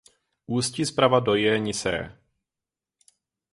Ústí zprava do Jeniseje.